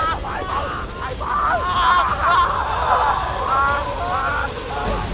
โอ้วทายทาย